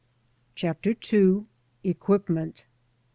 CHAPTER II. EQUIPMENT.